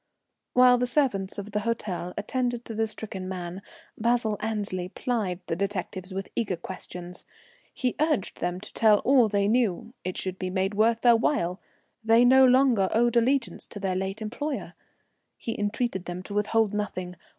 While the servants of the hotel attended to the stricken man, Basil Annesley plied the detectives with eager questions. He urged them to tell all they knew; it should be made worth their while; they no longer owed allegiance to their late employer. He entreated them to withhold nothing.